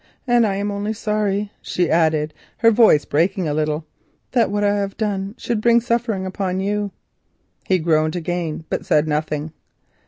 And I am only sorry," she added, her voice breaking a little, "that what I have done should bring suffering upon you." He groaned again, but said nothing.